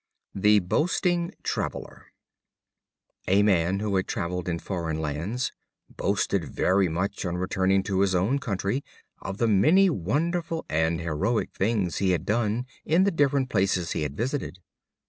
The Boasting Traveler. A Man who had traveled in foreign lands boasted very much, on returning to his own country, of the many wonderful and heroic things he had done in the different places he had visited.